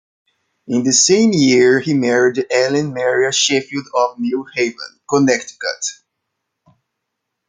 In the same year he married Ellen Maria Sheffield of New Haven, Connecticut.